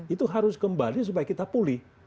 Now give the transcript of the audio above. itu harus kembali supaya kita pulih